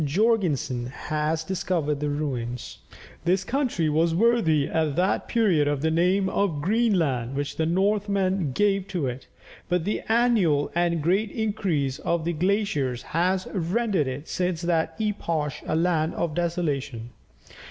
Jorgensen has discovered the ruins. This country was worthy at that period of the name of Green Land (Groenland) which the Northmen gave to it, but the annual and great increase of the glaciers, has rendered it since that epoch a land of desolation.